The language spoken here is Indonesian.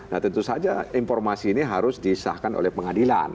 nah tentu saja informasi ini harus disahkan oleh pengadilan